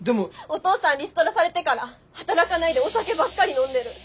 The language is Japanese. お父さんリストラされてから働かないでお酒ばっかり飲んでる。